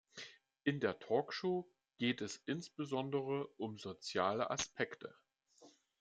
In der Talkshow geht es insbesondere um soziale Aspekte.